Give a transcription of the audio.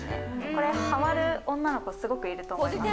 これ、ハマる女の子すごくいると思います。